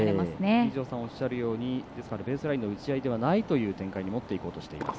二條さんがおっしゃるようにベースラインの打ち合いではないという展開に持っていこうとしています。